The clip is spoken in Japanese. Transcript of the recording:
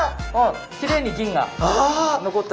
きれいに銀がのこった。